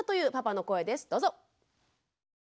どうぞ。